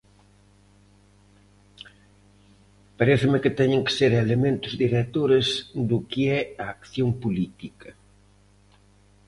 Paréceme que teñen que ser elementos directores do que é a acción política.